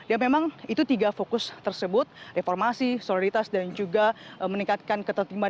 ya memang itu tiga fokus tersebut reformasi soliditas dan juga meningkatkan ketertiban